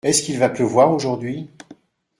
Est-ce qu’il va pleuvoir aujourd’hui ?